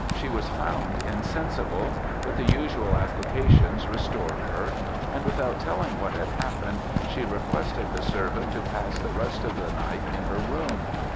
She was found insensible; but the usual applications restored her; and, without telling what had happened, she requested the servant to pass the rest of the night in her room.